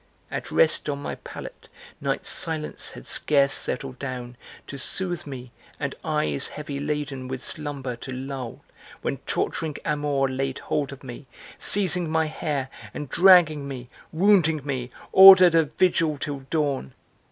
At rest on my pallet, night's silence had scarce settled down To soothe me, and eyes heavy laden with slumber to lull When torturing Amor laid hold of me, seizing my hair And dragging me, wounding me, ordered a vigil till dawn.